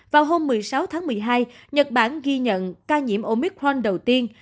vào hôm một mươi sáu tháng một mươi hai nhật bản ghi nhận ca nhiễm omicron đầu tiên